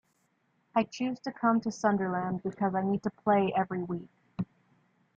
I chose to come to Sunderland because I need to play every week.